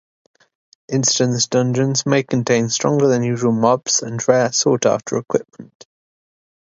Instance dungeons may contain stronger than usual mobs and rare, sought-after equipment.